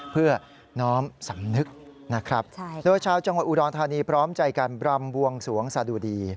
เพื่อน้อมสำนึกนะครับโดยชาวจังหวัดอุดรธานีพร้อมใจการบรำบวงสวงสะดุดี